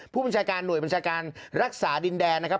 ผู้บัญชาการหน่วยบัญชาการรักษาดินแดนนะครับ